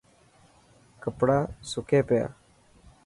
ڪپڙا سڪي پيا.